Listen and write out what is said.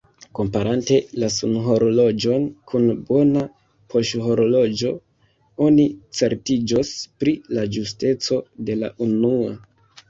Komparante la sunhorloĝon kun bona poŝhorloĝo, oni certiĝos pri la ĝusteco de la unua.